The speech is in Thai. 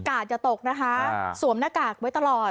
กะจะตกสวมหน้ากากไว้ตลอด